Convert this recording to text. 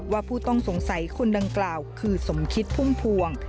ผู้ต้องสงสัยคนดังกล่าวคือสมคิดพุ่มพวง